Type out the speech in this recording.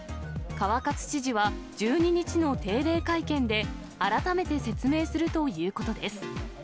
川勝知事は１２日の定例会見で改めて説明するということです。